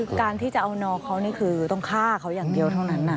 คือการที่จะเอานอเขานี่คือต้องฆ่าเขาอย่างเดียวเท่านั้น